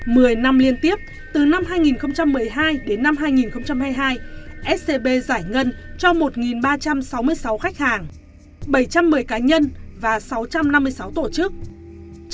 mười năm liên tiếp từ năm hai nghìn một mươi hai đến năm hai nghìn hai mươi hai scb giải ngân cho một ba trăm sáu mươi sáu khách hàng bảy trăm một mươi cá nhân và sáu trăm năm mươi sáu tổ chức